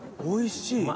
おいしい。